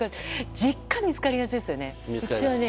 実家に見つかりがちですよね。